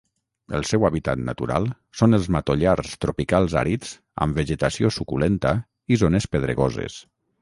El seu hàbitat natural són els matollars tropicals àrids amb vegetació suculenta i zones pedregoses.